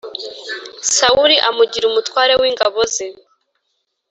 Sawuli amugira umutware w’ingabo ze